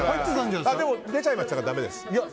出ちゃいましたからだめです。